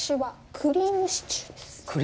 クリームシチュー？